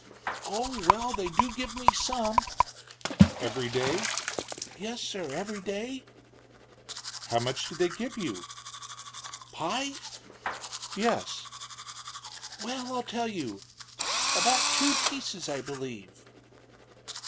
"Oh, well, they do give me some." "Every day?" "Yes, sir; every day." "How much do they give you?" "Pie?" "Yes." "Well, I'll tell you. About two pieces, I believe."